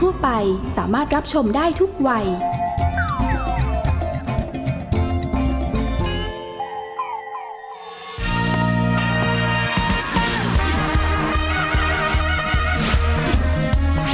เมมมานประจันบาน